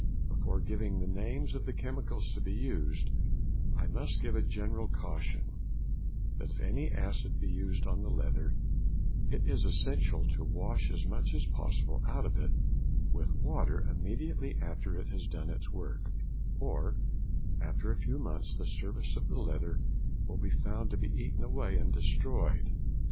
Before giving the names of the chemicals to be used, I must give a general caution, that if any acid be used on the leather, it is essential to wash as much as possible of it out with water immediately after it has done its work, or after a few months the surface of the leather will be found to be eaten away and destroyed.